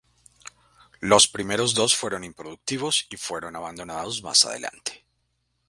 Los primeros dos fueron improductivos y fueron abandonados más adelante.